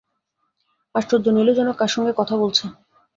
আশ্চর্য নীলু যেন কার সঙ্গে কথা বলছে।